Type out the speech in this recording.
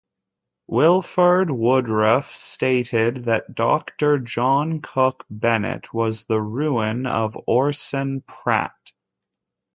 Wilford Woodruff stated that "Doctor John Cook Bennett was the ruin of Orson Pratt".